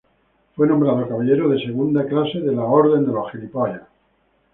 Fue nombrado caballero de segunda clase de la Orden de San Jorge.